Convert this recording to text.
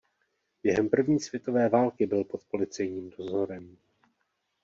Během první světové války byl pod policejním dozorem.